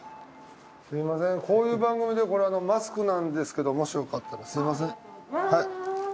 こういう番組でこれマスクなんですけどもしよかったらすみません。